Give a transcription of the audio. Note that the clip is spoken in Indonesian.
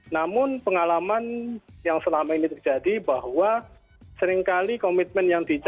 namun pengalaman yang selama ini terjadi bahwa seringkali komitmen yang diberikan